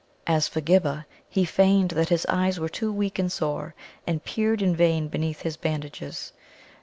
As for Ghibba, he feigned that his eyes were too weak and sore, and peered in vain beneath his bandages.